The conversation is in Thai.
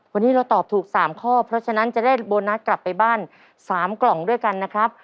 วันนี้เราตอบถูก๓ข้อเพราะฉะนั้นจะได้โบนัสกลับไปบ้าน๓กล่องด้วยกันนะครับ